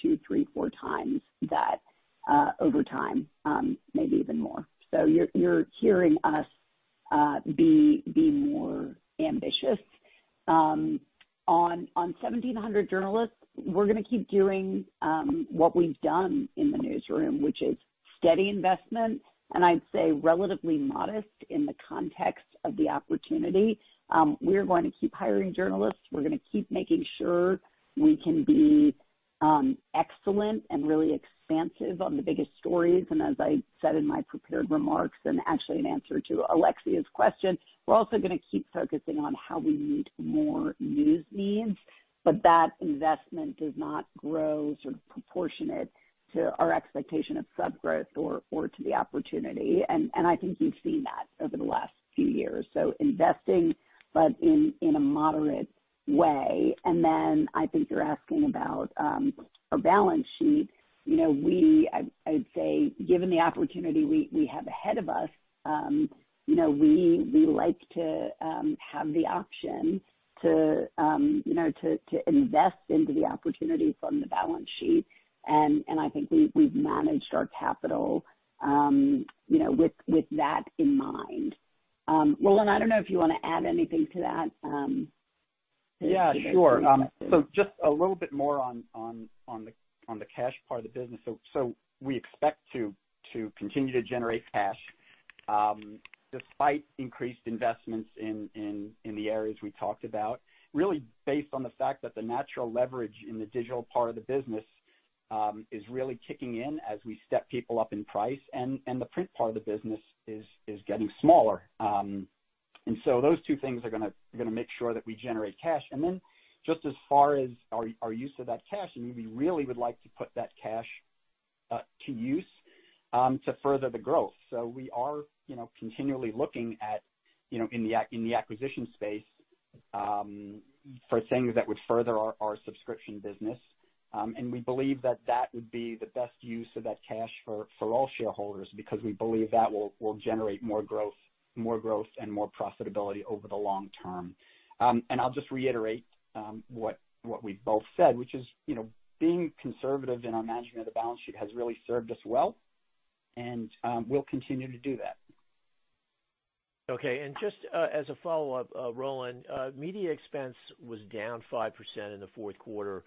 two, three, four times that over time, maybe even more, so you're hearing us be more ambitious. On 1,700 journalists, we're going to keep doing what we've done in the newsroom, which is steady investment, and I'd say relatively modest in the context of the opportunity. We're going to keep hiring journalists. We're going to keep making sure we can be excellent and really expansive on the biggest stories, and as I said in my prepared remarks and actually in answer to Alexia's question, we're also going to keep focusing on how we meet more news needs, but that investment does not grow sort of proportionate to our expectation of sub-growth or to the opportunity, and I think you've seen that over the last few years, so investing, but in a moderate way, and then I think you're asking about our balance sheet. I'd say, given the opportunity we have ahead of us, we like to have the option to invest into the opportunity from the balance sheet, and I think we've managed our capital with that in mind. Roland, I don't know if you want to add anything to that. Yeah. Sure. So just a little bit more on the cash part of the business. So we expect to continue to generate cash despite increased investments in the areas we talked about, really based on the fact that the natural leverage in the digital part of the business is really kicking in as we step people up in price. And the print part of the business is getting smaller. And so those two things are going to make sure that we generate cash. And then just as far as our use of that cash, we really would like to put that cash to use to further the growth. So we are continually looking in the acquisition space for things that would further our subscription business. And we believe that that would be the best use of that cash for all shareholders because we believe that will generate more growth and more profitability over the long term. And I'll just reiterate what we've both said, which is being conservative in our management of the balance sheet has really served us well. And we'll continue to do that. Okay. And just as a follow-up, Roland, media expense was down 5% in the fourth quarter.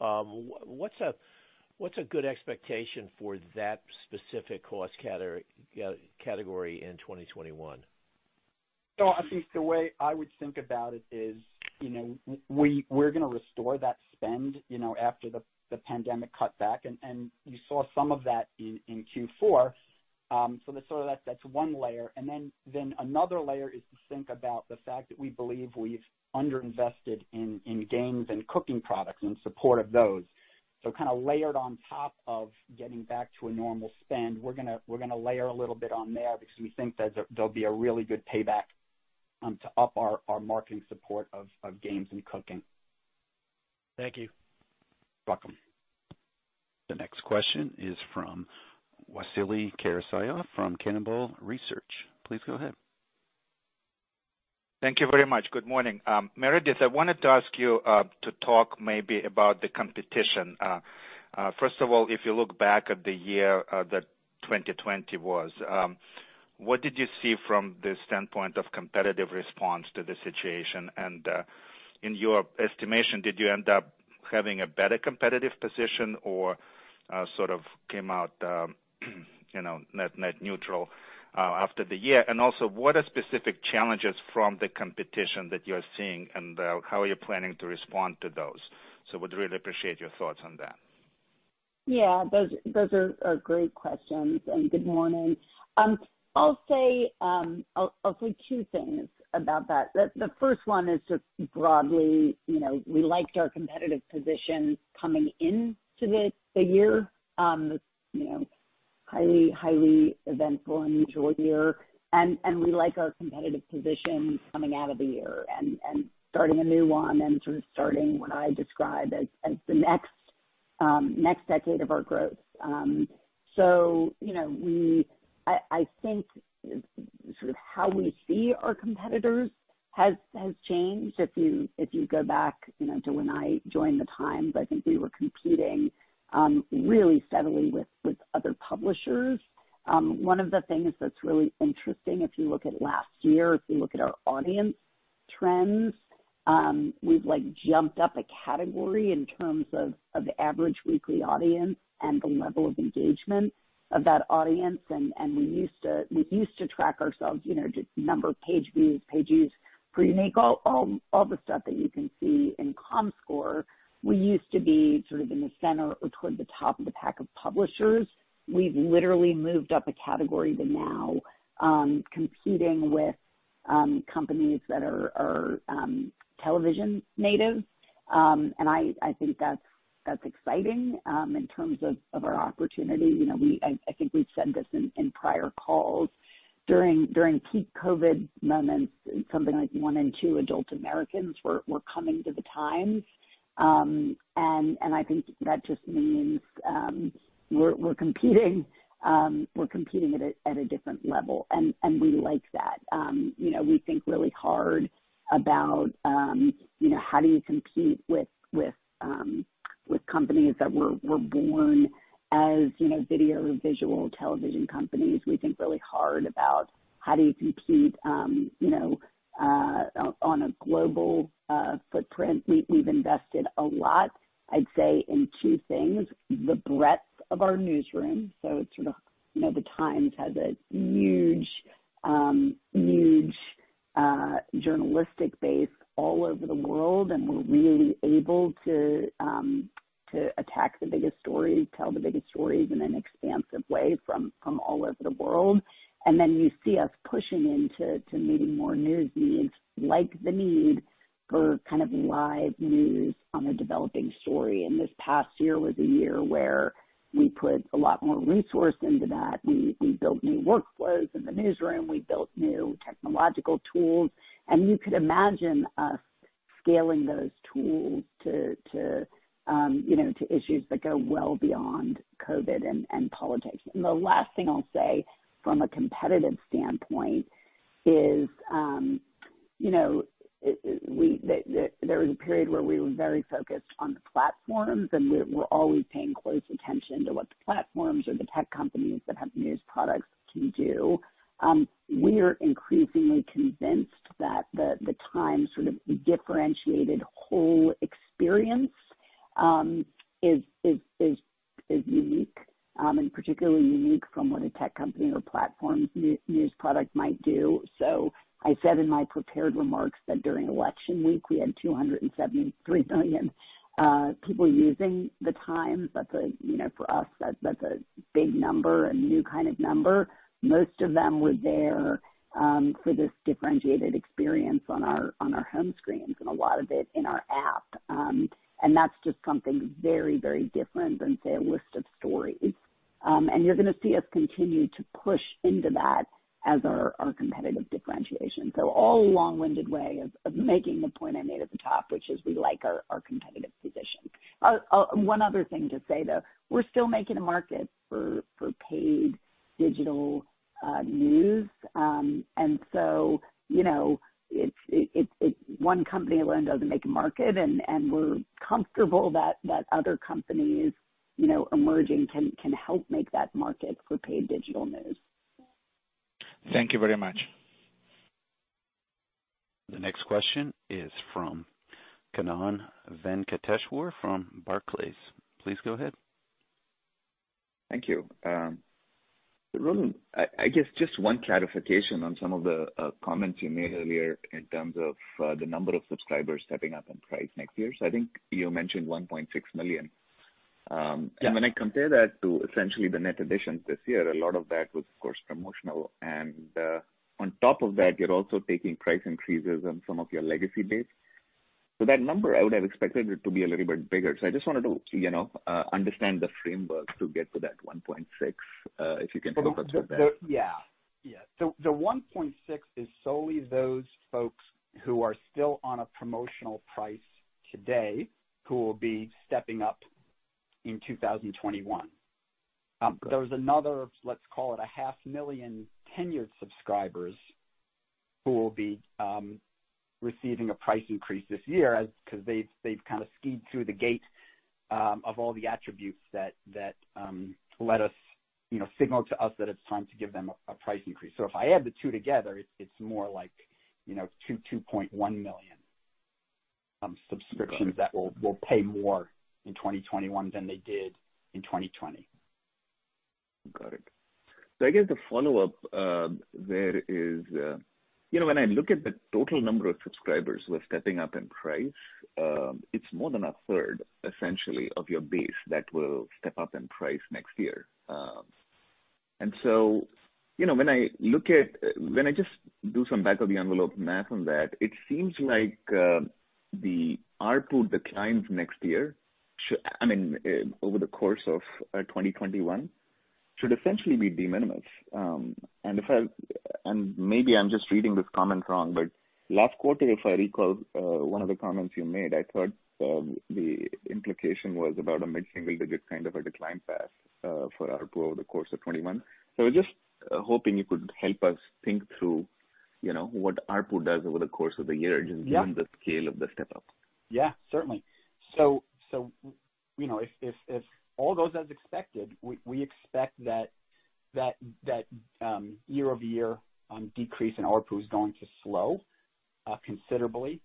What's a good expectation for that specific cost category in 2021? So I think the way I would think about it is we're going to restore that spend after the pandemic cutback. And you saw some of that in Q4. So that's one layer. And then another layer is to think about the fact that we believe we've underinvested in Games and Cooking products in support of those. So kind of layered on top of getting back to a normal spend, we're going to layer a little bit on there because we think there'll be a really good payback to up our marketing support of Games and Cooking. Thank you. You're welcome. The next question is from Vasily Karasyov from Cannonball Research. Please go ahead. Thank you very much. Good morning. Meredith, I wanted to ask you to talk maybe about the competition. First of all, if you look back at the year that 2020 was, what did you see from the standpoint of competitive response to the situation? And in your estimation, did you end up having a better competitive position or sort of came out net neutral after the year? And also, what are specific challenges from the competition that you're seeing, and how are you planning to respond to those? So we'd really appreciate your thoughts on that. Yeah. Those are great questions. And good morning. I'll say two things about that. The first one is just broadly, we liked our competitive position coming into the year. Highly, highly eventful and unusual year. And we like our competitive position coming out of the year and starting a new one and sort of starting what I describe as the next decade of our growth. So I think sort of how we see our competitors has changed. If you go back to when I joined The Times, I think we were competing really steadily with other publishers. One of the things that's really interesting, if you look at last year, if you look at our audience trends, we've jumped up a category in terms of average weekly audience and the level of engagement of that audience. And we used to track ourselves just number. Page views, page views per unique, all the stuff that you can see in Comscore. We used to be sort of in the center or toward the top of the pack of publishers. We've literally moved up a category to now competing with companies that are television native. And I think that's exciting in terms of our opportunity. I think we've said this in prior calls. During peak COVID moments, something like one in two adult Americans were coming to The Times. And I think that just means we're competing at a different level. And we like that. We think really hard about how do you compete with companies that were born as video visual television companies. We think really hard about how do you compete on a global footprint. We've invested a lot, I'd say, in two things: the breadth of our newsroom. So it's sort of The Times has a huge, huge journalistic base all over the world. And we're really able to attack the biggest stories, tell the biggest stories in an expansive way from all over the world. And then you see us pushing into meeting more news needs, like the need for kind of live news on a developing story. And this past year was a year where we put a lot more resource into that. We built new workflows in the newsroom. We built new technological tools. And you could imagine us scaling those tools to issues that go well beyond COVID and politics. And the last thing I'll say from a competitive standpoint is there was a period where we were very focused on the platforms, and we're always paying close attention to what the platforms or the tech companies that have new products can do. We are increasingly convinced that The Times' sort of differentiated whole experience is unique and particularly unique from what a tech company or platform's news product might do. So I said in my prepared remarks that during election week, we had 273 million people using The Times. That's a, for us, that's a big number and new kind of number. Most of them were there for this differentiated experience on our home screens and a lot of it in our app. And that's just something very, very different than, say, a list of stories. And you're going to see us continue to push into that as our competitive differentiation. So all along, a winding way of making the point I made at the top, which is we like our competitive position. One other thing to say, though, we're still making a market for paid digital news. And so one company alone doesn't make a market, and we're comfortable that other companies emerging can help make that market for paid digital news. Thank you very much. The next question is from Kannan Venkateshwar from Barclays. Please go ahead. Thank you. Roland, I guess just one clarification on some of the comments you made earlier in terms of the number of subscribers stepping up in price next year. So I think you mentioned 1.6 million. And when I compare that to essentially the net additions this year, a lot of that was, of course, promotional. On top of that, you're also taking price increases on some of your legacy base. So that number, I would have expected it to be a little bit bigger. So I just wanted to understand the framework to get to that 1.6, if you can focus on that. Yeah. Yeah. So the 1.6 is solely those folks who are still on a promotional price today who will be stepping up in 2021. There's another, let's call it, 500,000 tenured subscribers who will be receiving a price increase this year because they've kind of skied through the gate of all the attributes that let us signal to us that it's time to give them a price increase. So if I add the two together, it's more like 2.1 million subscriptions that will pay more in 2021 than they did in 2020. Got it. So I guess the follow-up there is when I look at the total number of subscribers who are stepping up in price, it's more than a third, essentially, of your base that will step up in price next year. And so when I look at, when I just do some back-of-the-envelope math on that, it seems like the ARPU declines next year, I mean, over the course of 2021, should essentially be de minimis. And maybe I'm just reading this comment wrong, but last quarter, if I recall one of the comments you made, I thought the implication was about a mid-single-digit kind of a decline path for ARPU over the course of 2021. So I was just hoping you could help us think through what ARPU does over the course of the year, just given the scale of the step-up. Yeah. Certainly. So if all goes as expected, we expect that year-over-year decrease in output is going to slow considerably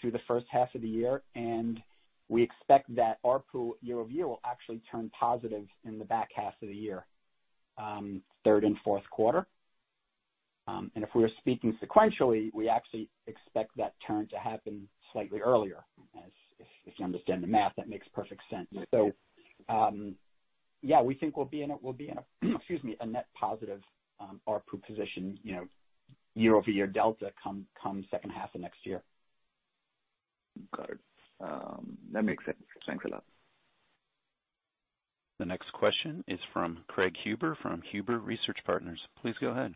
through the first half of the year. And we expect that output year-over-year will actually turn positive in the back half of the year, third and fourth quarter. And if we're speaking sequentially, we actually expect that turn to happen slightly earlier. If you understand the math, that makes perfect sense. So yeah, we think we'll be in a, excuse me, a net positive output position year-over-year delta come second half of next year. Got it. That makes sense. Thanks a lot. The next question is from Craig Huber from Huber Research Partners. Please go ahead.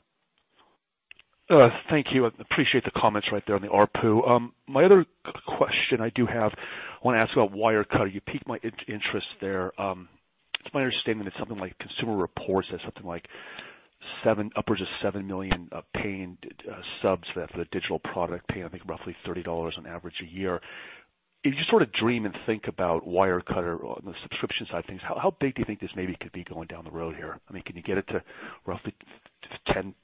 Thank you. I appreciate the comments right there on the output. My other question I do have, I want to ask about Wirecutter. You piqued my interest there. It's my understanding that something like Consumer Reports has something like upwards of 7 million paying subs for the digital product, paying, I think, roughly $30 on average a year. If you sort of dream and think about Wirecutter on the subscription side of things, how big do you think this maybe could be going down the road here? I mean, can you get it to roughly 10%-20%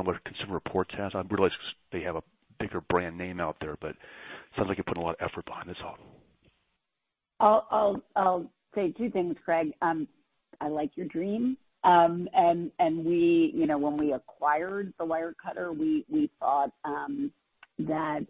of what Consumer Reports has? I realize they have a bigger brand name out there, but it sounds like you're putting a lot of effort behind this all. I'll say two things, Craig. I like your dream. And when we acquired Wirecutter, we thought that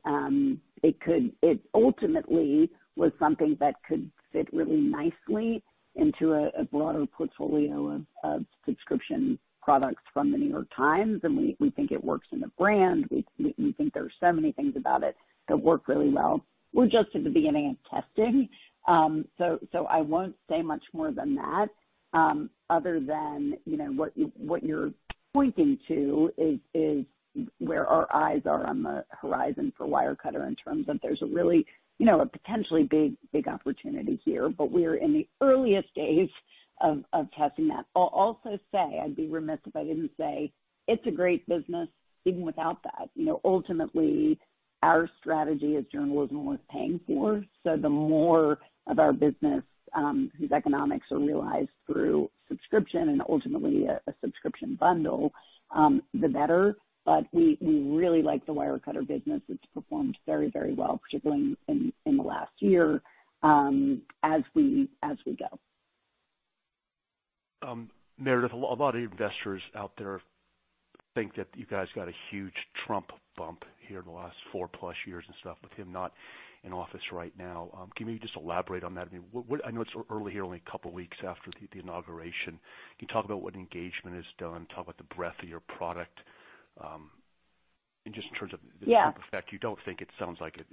it ultimately was something that could fit really nicely into a broader portfolio of subscription products from The New York Times. And we think it works in the brand. We think there are so many things about it that work really well. We're just at the beginning of testing. So I won't say much more than that, other than what you're pointing to is where our eyes are on the horizon for Wirecutter in terms of there's a really potentially big opportunity here. But we're in the earliest days of testing that. I'll also say I'd be remiss if I didn't say it's a great business even without that. Ultimately, our strategy is journalism worth paying for. So the more of our business whose economics are realized through subscription and ultimately a subscription bundle, the better. But we really like the Wirecutter business. It's performed very, very well, particularly in the last year as we go. Meredith, a lot of investors out there think that you guys got a huge Trump bump here in the last four-plus years and stuff with him not in office right now. Can you maybe just elaborate on that? I mean, I know it's early here, only a couple of weeks after the inauguration. Can you talk about what engagement has done, talk about the breadth of your product? And just in terms of the impact, you don't think it sounds like it's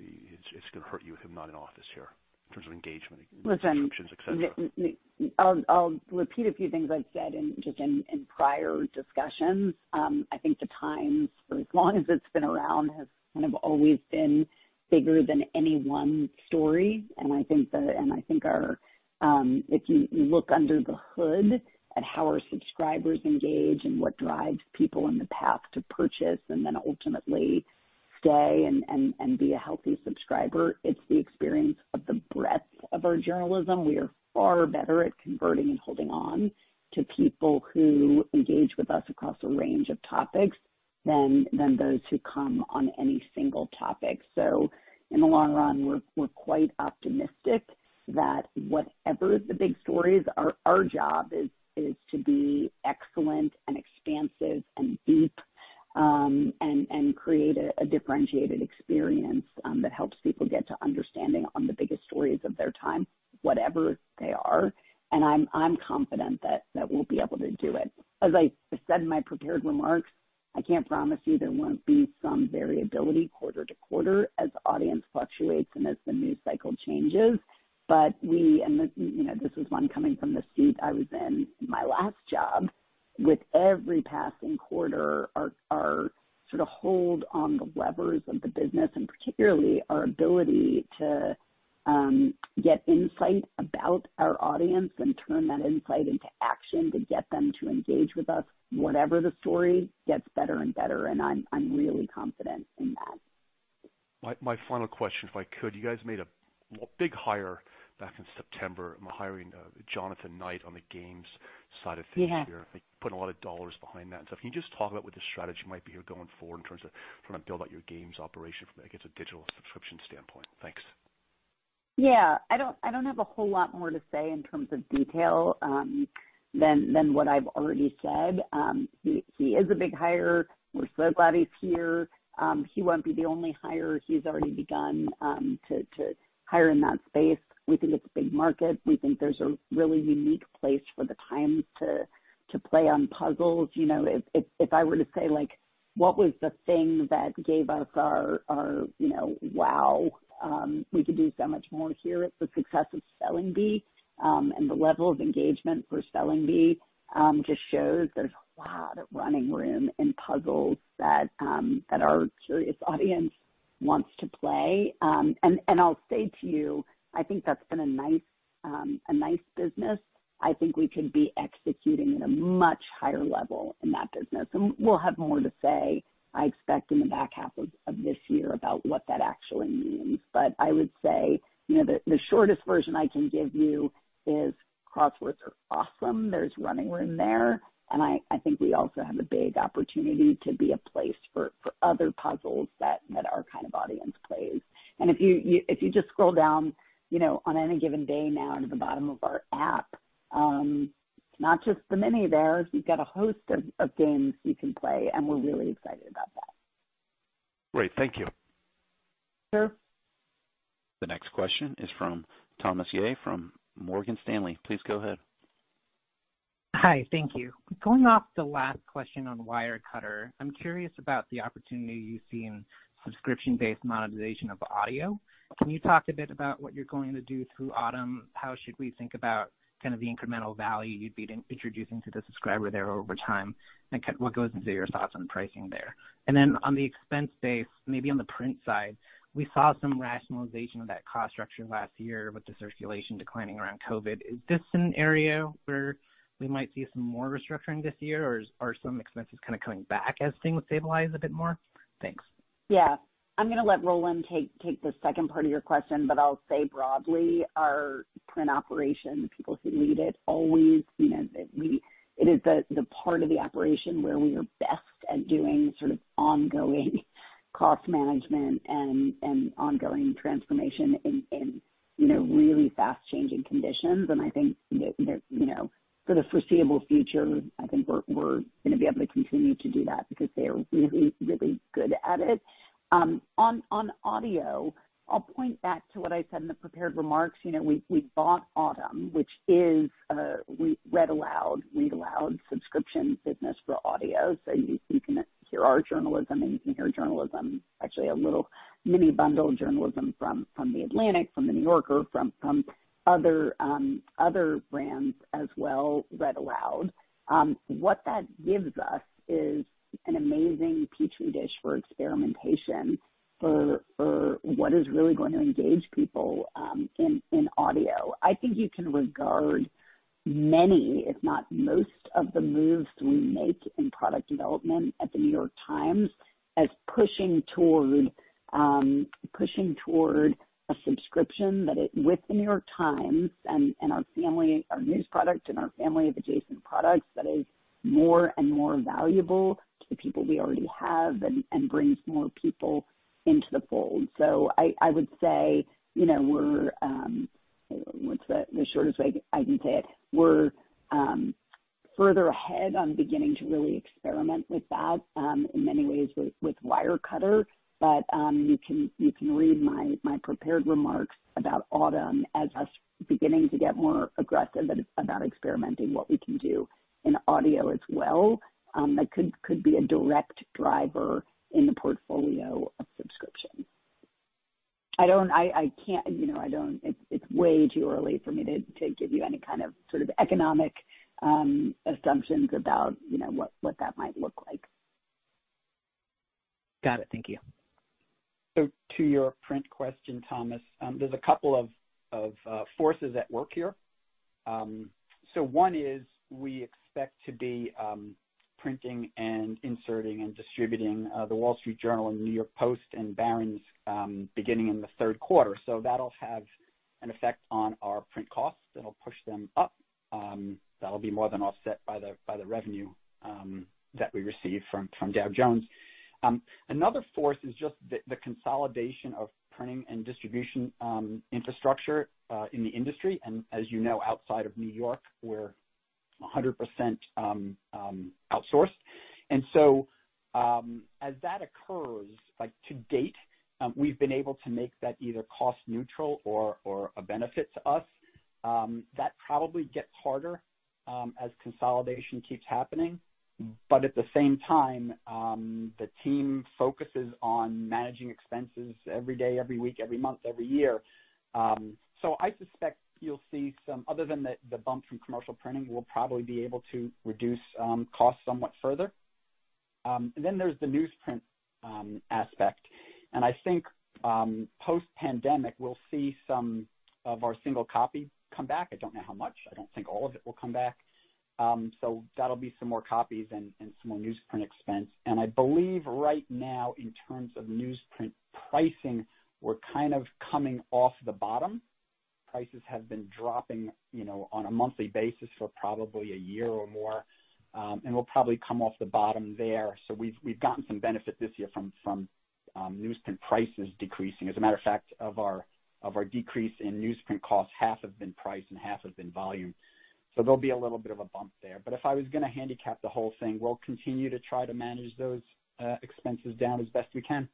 going to hurt you with him not in office here in terms of engagement, subscriptions, etc.? I'll repeat a few things I've said just in prior discussions. I think The Times, for as long as it's been around, has kind of always been bigger than any one story. And I think our, if you look under the hood at how our subscribers engage and what drives people in the path to purchase and then ultimately stay and be a healthy subscriber, it's the experience of the breadth of our journalism. We are far better at converting and holding on to people who engage with us across a range of topics than those who come on any single topic. So in the long run, we're quite optimistic that whatever the big stories, our job is to be excellent and expansive and deep and create a differentiated experience that helps people get to understanding on the biggest stories of their time, whatever they are. And I'm confident that we'll be able to do it. As I said in my prepared remarks, I can't promise you there won't be some variability quarter to quarter as audience fluctuates and as the news cycle changes. But we (and this is one coming from the seat I was in my last job) with every passing quarter, our sort of hold on the levers of the business, and particularly our ability to get insight about our audience and turn that insight into action to get them to engage with us, whatever the story, gets better and better. And I'm really confident in that. My final question, if I could, you guys made a big hire back in September. You hired Jonathan Knight on the Games side of things here. You put a lot of dollars behind that. And so can you just talk about what the strategy might be here going forward in terms of trying to build out your Games operation from, I guess, a digital subscription standpoint? Thanks. Yeah. I don't have a whole lot more to say in terms of detail than what I've already said. He is a big hire. We're so glad he's here. He won't be the only hire. He's already begun to hire in that space. We think it's a big market. We think there's a really unique place for The Times to play on puzzles. If I were to say, "What was the thing that gave us our wow? We could do so much more here." It's the success of Spelling Bee. And the level of engagement for Spelling Bee just shows there's a lot of running room in puzzles that our curious audience wants to play. And I'll say to you, I think that's been a nice business. I think we could be executing at a much higher level in that business. And we'll have more to say, I expect, in the back half of this year about what that actually means. But I would say the shortest version I can give you is Crosswords are awesome. There's running room there. And I think we also have a big opportunity to be a place for other puzzles that our kind of audience plays. And if you just scroll down on any given day now to the bottom of our app, it's not just The Mini there. You've got a host of games you can play. And we're really excited about that. Great. Thank you. Sure. The next question is from Thomas Yeh from Morgan Stanley. Please go ahead. Hi. Thank you. Going off the last question on Wirecutter, I'm curious about the opportunity you see in subscription-based monetization of audio. Can you talk a bit about what you're going to do through Audm? How should we think about kind of the incremental value you'd be introducing to the subscriber there over time? And what goes into your thoughts on pricing there? And then on the expense base, maybe on the print side, we saw some rationalization of that cost structure last year with the circulation declining around COVID. Is this an area where we might see some more restructuring this year, or are some expenses kind of coming back as things stabilize a bit more? Thanks. Yeah. I'm going to let Roland take the second part of your question, but I'll say broadly, our print operation, the people who lead it, always it is the part of the operation where we are best at doing sort of ongoing cost management and ongoing transformation in really fast-changing conditions. And I think for the foreseeable future, I think we're going to be able to continue to do that because they are really, really good at it. On audio, I'll point back to what I said in the prepared remarks. We bought Audm, which is a read-aloud, read-aloud subscription business for audio. So you can hear our journalism, and you can hear journalism, actually a little mini bundle journalism from The Atlantic, from The New Yorker, from other brands as well, read-aloud. What that gives us is an amazing petri dish for experimentation for what is really going to engage people in audio. I think you can regard many, if not most, of the moves we make in product development at The New York Times as pushing toward a subscription that, with The New York Times and our news product and our family of adjacent products, that is more and more valuable to the people we already have and brings more people into the fold. So I would say we're—what's the shortest way I can say it?—we're further ahead on beginning to really experiment with that in many ways with Wirecutter. But you can read my prepared remarks about Audm as us beginning to get more aggressive about experimenting what we can do in audio as well. That could be a direct driver in the portfolio of subscription. I don't. It's way too early for me to give you any kind of sort of economic assumptions about what that might look like. Got it. Thank you. So, to your print question, Thomas, there's a couple of forces at work here. So, one is we expect to be printing and inserting and distributing The Wall Street Journal, and New York Post and Barron's beginning in the third quarter. So that'll have an effect on our print costs. It'll push them up. That'll be more than offset by the revenue that we receive from Dow Jones. Another force is just the consolidation of printing and distribution infrastructure in the industry, and as you know, outside of New York, we're 100% outsourced, and so as that occurs, to date, we've been able to make that either cost-neutral or a benefit to us. That probably gets harder as consolidation keeps happening. But at the same time, the team focuses on managing expenses every day, every week, every month, every year. So I suspect you'll see some, other than the bump from commercial printing, we'll probably be able to reduce costs somewhat further. And then there's the newsprint aspect. And I think post-pandemic, we'll see some of our single copies come back. I don't know how much. I don't think all of it will come back. So that'll be some more copies and some more newsprint expense. And I believe right now, in terms of newsprint pricing, we're kind of coming off the bottom. Prices have been dropping on a monthly basis for probably a year or more. And we'll probably come off the bottom there. So we've gotten some benefit this year from newsprint prices decreasing. As a matter of fact, of our decrease in newsprint costs, half have been price and half have been volume. So there'll be a little bit of a bump there. But if I was going to handicap the whole thing, we'll continue to try to manage those expenses down as best we can.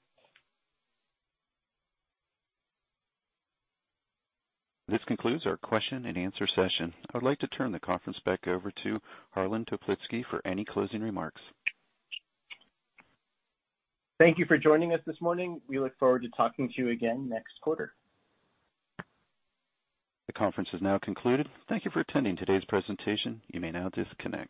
This concludes our question-and-answer session. I would like to turn the conference back over to Harlan Toplitzky for any closing remarks. Thank you for joining us this morning. We look forward to talking to you again next quarter. The conference is now concluded. Thank you for attending today's presentation. You may now disconnect.